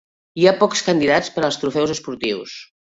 Hi ha pocs candidats per als trofeus esportius.